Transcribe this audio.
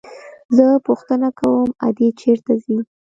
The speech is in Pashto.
زه پوښتنه کوم ادې چېرته ځي.